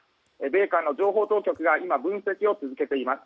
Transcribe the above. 米韓の情報当局が今、分析を続けています。